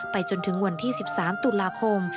จนถึงวันที่๑๓ตุลาคม